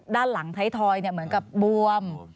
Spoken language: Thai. ด้านหลังไทยทอยเหมือนกับบวม